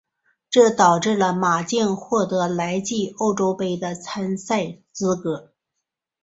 这导致了马竞获得来季欧洲杯的参赛资格。